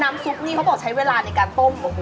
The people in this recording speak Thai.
ซุปนี่เขาบอกใช้เวลาในการต้ม